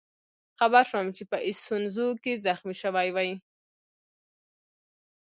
خبر شوم چې په ایسونزو کې زخمي شوی وئ.